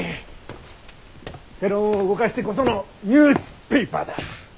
世論を動かしてこそのニュースペイパーだ！